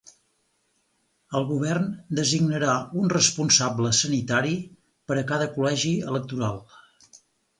El govern designarà un responsable sanitari per a cada col·legi electoral.